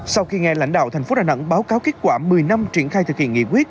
sau khi nghe lãnh đạo thành phố đà nẵng báo cáo kết quả một mươi năm triển khai thực hiện nghị quyết